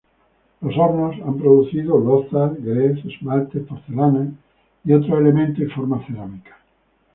Los hornos han producido lozas, gres, esmaltes, porcelanas y otros elementos y formas cerámicas.